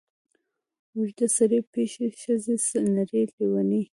اوږده ې سړې پښې ښځې نرې لېونې